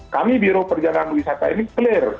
kami biro perjalanan wisata ini clear